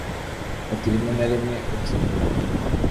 bati rimwe na rimwe utsindira bimwe